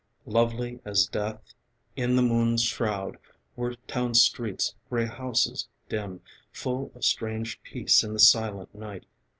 Lovely as death, in the moon's shroud, Were town streets, grey houses, dim, Full of strange peace in the silent night.